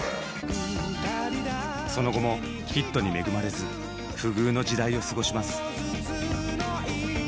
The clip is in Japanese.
その後もヒットに恵まれず不遇の時代を過ごします。